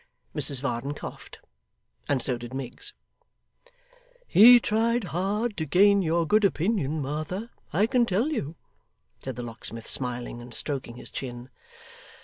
Mrs Varden coughed and so did Miggs. 'He tried hard to gain your good opinion, Martha, I can tell you,' said the locksmith smiling, and stroking his chin.